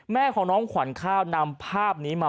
แม่ของน้องขวัญข้าวนำภาพนี้มา